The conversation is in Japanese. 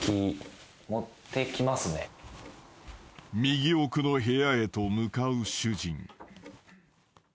［右奥の部屋へと向かう主人］